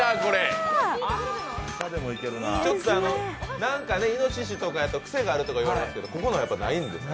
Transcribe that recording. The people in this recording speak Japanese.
ちょっといのししとかいうと癖があると言われますけど、ここのは、ないんですね。